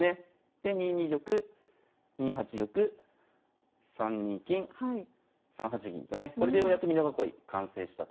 で２二玉２八玉３二金３八銀とねこれでようやく美濃囲い完成したと。